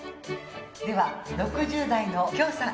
では６０代の許さん。